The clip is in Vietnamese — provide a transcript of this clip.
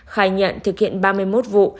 khai nhận thực hiện ba mươi một vụ